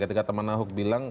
ketika teman ahok bilang